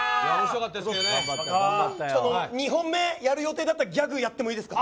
２本目やる予定だったギャグやってもいいですか。